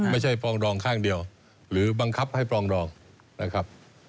ปรองดองข้างเดียวหรือบังคับให้ปรองดองนะครับ